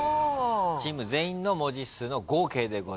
チーム全員の文字数の合計でございます。